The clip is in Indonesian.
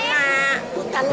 hujan hujan juga nekas